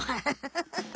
ハハハ。